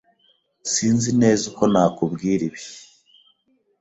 Sinzi neza uko nakubwira ibi.